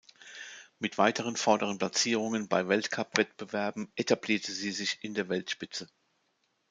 Mit weiteren vorderen Platzierungen bei Weltcup-Wettbewerben etablierte sie sich in der Weltspitze.